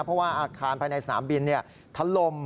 เพราะว่าอาคารภายในสนามบินทะลม